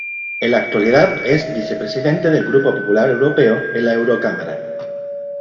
En la actualidad es vicepresidente del Grupo Popular Europeo en la eurocámara.